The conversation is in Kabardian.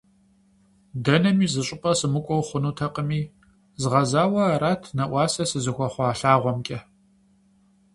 Дэнэми зыщӀыпӀэ сымыкӀуэу хъунутэкъыми, згъэзауэ арат нэӀуасэ сызыхуэхъуа лъагъуэмкӀэ.